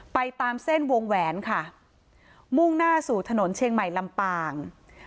ตามเส้นวงแหวนค่ะมุ่งหน้าสู่ถนนเชียงใหม่ลำปาง